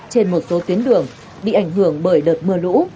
trên một số tuyến đường bị ảnh hưởng bởi đợt mưa lũ